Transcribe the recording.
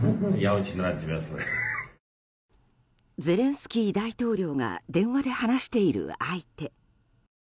ゼレンスキー大統領が電話で話している相手。